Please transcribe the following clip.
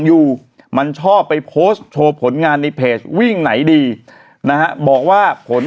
อยู่มันชอบไปโพสต์โชว์ผลงานในเพจวิ่งไหนดีนะฮะบอกว่าผล